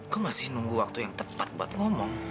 gue masih nunggu waktu yang tepat buat ngomong